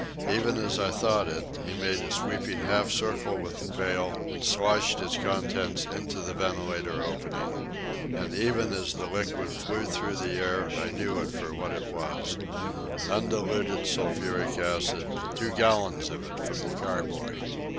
Even as I thought it, he made a sweeping half circle with the pail and sloshed its contents into the ventilator opening. And even as the liquid flew through the air I knew it for what it was—undiluted sulphuric acid, two gallons of it from the carboy.